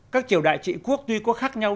các triều đại trị quốc tuy có khác nhau